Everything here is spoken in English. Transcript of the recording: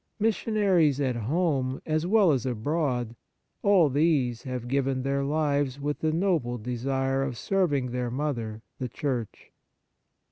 Missionaries at home as 142 The Fruits of Piety well as abroad, all these have given their lives with the noble desire of serving their mother, the Church.